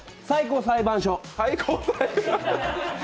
最高裁判所？